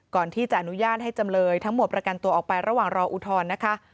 ก่อนที่จะอนุญาตให้จำเลยทั้งหมดประกันตัวออกไประหว่างรออุทธรณ์นะคะ